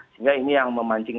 sehingga ini yang memancing